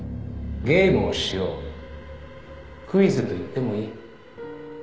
「ゲームをしよう」「クイズと言ってもいい」